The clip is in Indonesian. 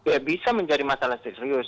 ya bisa menjadi masalah serius